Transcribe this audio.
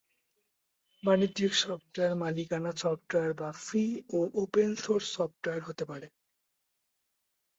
বাণিজ্যিক সফটওয়্যার মালিকানা সফটওয়্যার বা ফ্রি ও ওপেন সোর্স সফটওয়্যার হতে পারে।